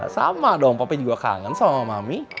sama dong papa juga kangen sama mami